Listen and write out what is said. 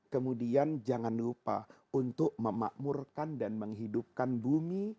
kemudian jangan lupa untuk memakmurkan dan menghidupkan bumi